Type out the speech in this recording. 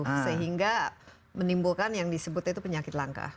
sehingga menimbulkan yang disebut penyakit langka